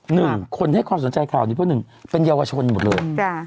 หนึ่งคนให้ความสนใจข่าวนี้เพราะหนึ่งเป็นเยาวชนหมดเลย